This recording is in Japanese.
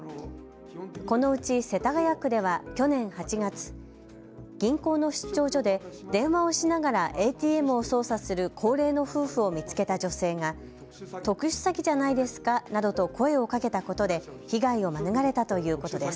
このうち世田谷区では去年８月、銀行の出張所で電話をしながらＡＴＭを操作する高齢の夫婦を見つけた女性が特殊詐欺じゃないですかなどと声をかけたことで被害を免れたということです。